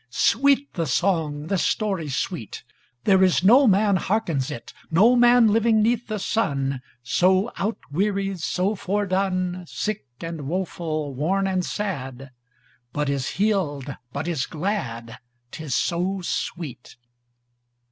Sweet the song, the story sweet, There is no man hearkens it, No man living 'neath the sun, So outwearied, so foredone, Sick and woful, worn and sad, But is healed, but is glad 'Tis so sweet.